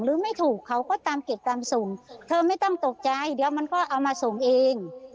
ไม่ถูกเขาก็ตามเก็บตามส่งเธอไม่ต้องตกใจเดี๋ยวมันก็เอามาส่งเอง